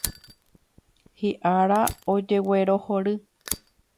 Hi'ára ojeguerohory.